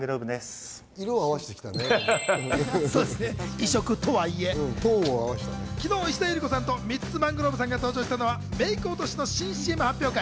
異色とはいえ、昨日、石田ゆり子さんとミッツ・マングローブさんが登場したのはメイク落としの新ＣＭ発表会。